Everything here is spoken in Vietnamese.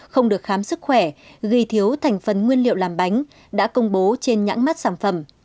không được khám sức khỏe ghi thiếu thành phần nguyên liệu làm bánh đã công bố trên nhãn mắt sản phẩm